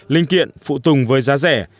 linh kiện phụ tùng với giá rẻ